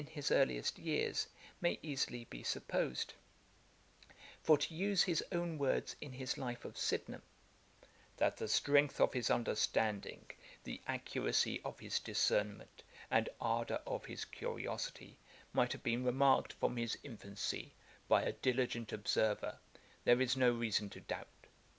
That he was remarkable, even in his earliest years, may easily be supposed; for to use his own words in his Life of Sydenham, 'That the strength of his understanding, the accuracy of his discernment, and ardour of his curiosity, might have been remarked from his infancy, by a diligent observer, there is no reason to doubt.